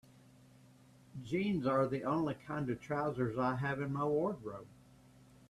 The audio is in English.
Jeans are the only kind of trousers I have in my wardrobe.